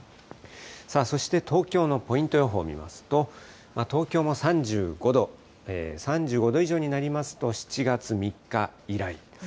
そして東京のポイント予報見ますと、東京も３５度、３５度以上になりますと、７月３日以来。